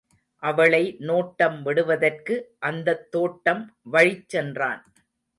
அவளை நோட்டம் விடுவதற்கு அந்தத்தோட்டம் வழிச் சென்றான்.